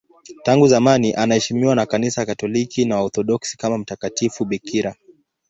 Tangu zamani anaheshimiwa na Kanisa Katoliki na Waorthodoksi kama mtakatifu bikira.